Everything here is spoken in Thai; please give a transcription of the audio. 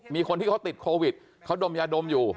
มีคนที่เขาติดโควิดเขาดมยาดมอยู่